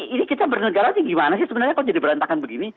ini kita bernegara sih gimana sih sebenarnya kalau jadi berantakan begini